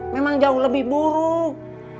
memang jauh lebih buruk